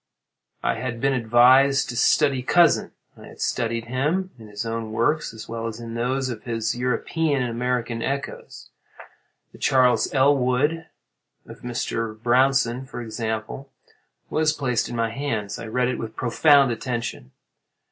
I had been advised to study Cousin. I studied him in his own works as well as in those of his European and American echoes. The 'Charles Elwood' of Mr. Brownson, for example, was placed in my hands. I read it with profound attention.